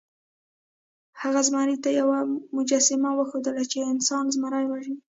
هغه زمري ته یوه مجسمه وښودله چې انسان زمری وژني.